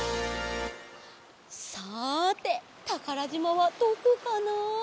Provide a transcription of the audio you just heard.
さてたからじまはどこかな？